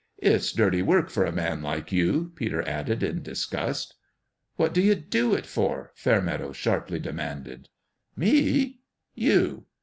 "It's dirty work for a man like you," Peter added, in disgust. "What do you do it for?" Fairmeadow sharply demanded. "Me!" " You."